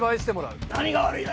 何が悪いだ！